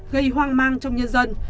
gây hoang mang trong nhân dân